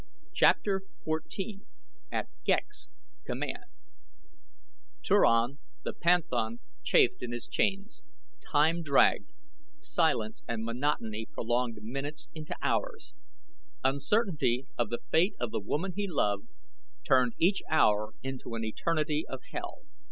CHAPTER XIV AT GHEK'S COMMAND Turan the panthan chafed in his chains. Time dragged; silence and monotony prolonged minutes into hours. Uncertainty of the fate of the woman he loved turned each hour into an eternity of hell.